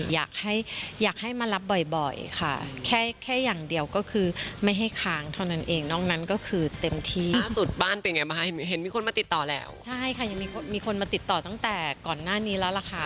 ใช่ค่ะยังมีคนมาติดต่อตั้งแต่ก่อนหน้านี้แล้วล่ะค่ะ